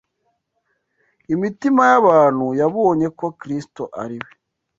Imitima y’abantu yabonye ko Kristo ari we